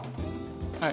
はい。